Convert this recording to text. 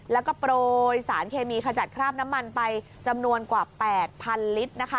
แล้วก็โปรยสารเคมีขจัดคราบน้ำมันไปจำนวนกว่า๘๐๐ลิตรนะคะ